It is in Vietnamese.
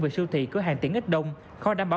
về siêu thị cửa hàng tiễn ít đông khó đảm bảo